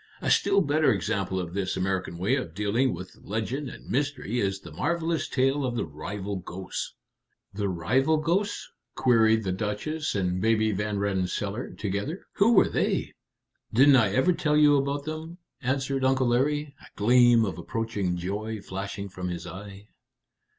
A still better example of this American way of dealing with legend and mystery is the marvelous tale of the rival ghosts." "The rival ghosts!" queried the Duchess and Baby Van Rensselaer together. "Who were they?" "Didn't I ever tell you about them?" answered Uncle Larry, a gleam of approaching joy flashing from his eye.